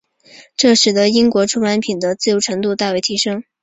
这使得英国出版品的自由程度大为提升。